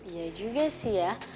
ya juga sih ya